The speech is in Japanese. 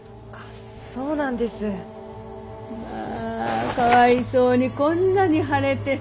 まあかわいそうにこんなに腫れて。